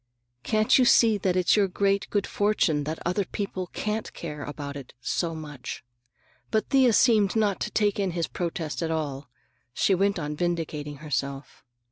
Can't you see that it's your great good fortune that other people can't care about it so much?" But Thea seemed not to take in his protest at all. She went on vindicating herself.